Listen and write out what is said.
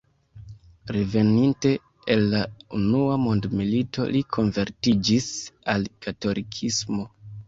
Reveninte el la unua mondmilito li konvertiĝis al katolikismo.